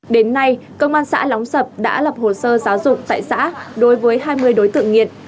đến nay công an xã lóng sập đã lập hồ sơ giáo dục tại xã đối với hai mươi đối tượng nghiện